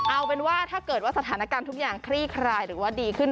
เอาเป็นว่าถ้าเกิดว่าสถานการณ์ทุกอย่างคลี่คลายหรือว่าดีขึ้น